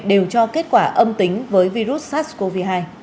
đều cho kết quả âm tính với virus sars cov hai